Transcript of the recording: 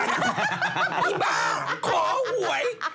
อีบ้าขอหวย